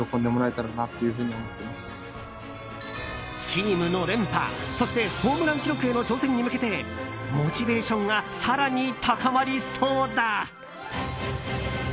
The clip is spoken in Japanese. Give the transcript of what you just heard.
チームの連覇そしてホームラン記録への挑戦に向けてモチベーションが更に高まりそうだ。